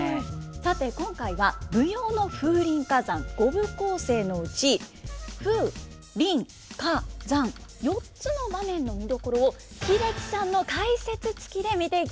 さて今回は舞踊の「風林火山」５部構成のうち「風」「林」「火」「山」４つの場面の見どころを英樹さんの解説つきで見ていきます。